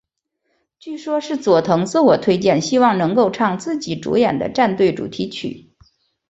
据说是佐藤自我推荐希望能够唱自己主演的战队主题曲。